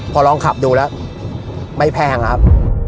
พอลองขับดูแล้วไม่แพงครับ